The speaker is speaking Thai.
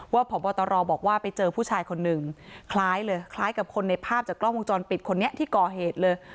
พบตรบอกว่าไปเจอผู้ชายคนหนึ่งคล้ายเลยคล้ายกับคนในภาพจากกล้องวงจรปิดคนนี้ที่ก่อเหตุเลย